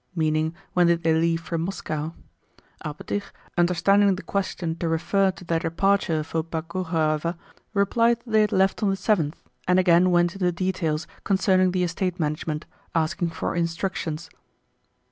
meaning when did they leave for Moscow. Alpátych, understanding the question to refer to their departure for Boguchárovo, replied that they had left on the seventh and again went into details concerning the estate management, asking for instructions.